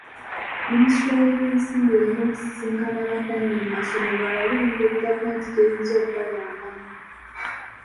Minisitule y'ebyensimbi erina okusisinkana bannannyini masomero balabe engeri gavumenti gy'eyinza okubayambamu.